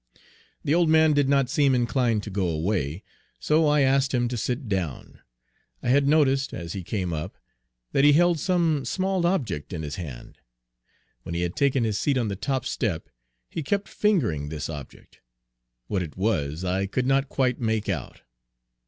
The old man did not seem inclined to go away, so I asked him to sit down. I had noticed, as he came up, that he held some small object in his hand. When he had taken his seat on the top step, he kept fingering this object, what it was I could not quite make out.